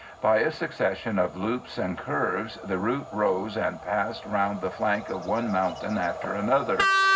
By a succession of loops and curves the route rose and passed round the flank of one mountain after another.